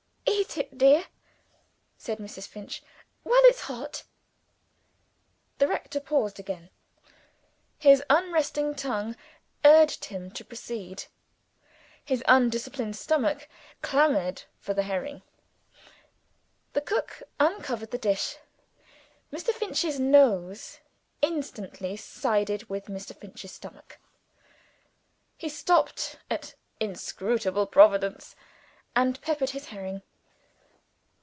"Eat it, dear," said Mrs. Finch, "while it's hot." The rector paused again. His unresting tongue urged him to proceed; his undisciplined stomach clamored for the herring. The cook uncovered the dish. Mr. Finch's nose instantly sided with Mr. Finch's stomach. He stopped at "Inscrutable Providence" and peppered his herring.